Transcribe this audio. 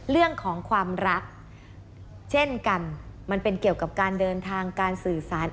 เรื่องของความรักเช่นกันมันเป็นเกี่ยวกับการเดินทางการสื่อสาร